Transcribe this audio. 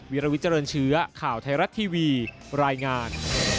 วิรวิจรรย์เชื้อข่าวไทรัตร์ทีวีรายงาน